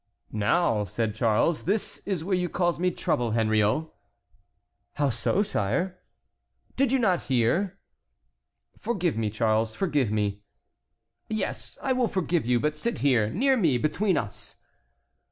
"Now," said Charles, "this is where you cause me trouble, Henriot." "How so, sire?" "Did you not hear?" "Forgive me, Charles, forgive me." "Yes, I will forgive you. But sit here, near me, between us."